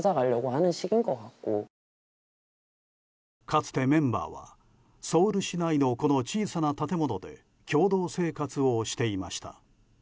かつてメンバーはソウル市内のこの小さな建物で共同生活をしていました。